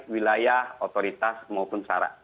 wilayah otoritas maupun syarat